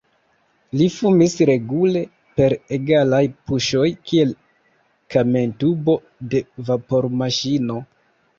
Li fumis regule, per egalaj puŝoj, kiel kamentubo de vapormaŝino.